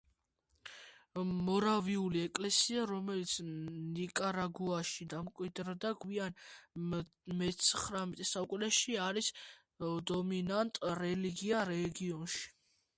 მორავიული ეკლესია, რომელიც ნიკარაგუაში დამკვიდრდა გვიან მეცხრამეტე საუკუნეში, არის დომინანტი რელიგია რეგიონში.